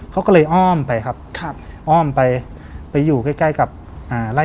เขาก็เลยอ้อมไปครับครับอ้อมไปไปอยู่ใกล้ใกล้กับอ่าไล่